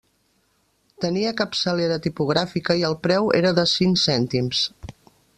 Tenia capçalera tipogràfica i el preu era de cinc cèntims.